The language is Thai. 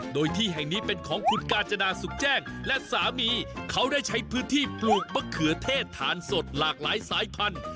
โดยที่แห่งนี้เป็นของคุณกาญจนาสุขแจ้งและสามีเขาได้ใช้พื้นที่ปลูกมะเขือเทศทานสดหลากหลายสายพันธุ